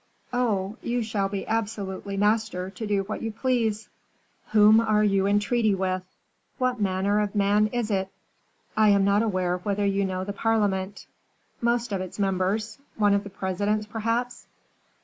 "Oh! you shall be absolutely master to do what you please." "Whom are you in treaty with? What manner of man is it?" "I am not aware whether you know the parliament." "Most of its members. One of the presidents, perhaps?"